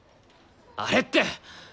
あれって！